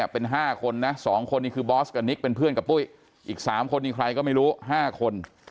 เป็นเพื่อนกับปุ้ยอีก๓คนในใครก็ไม่รู้๕คน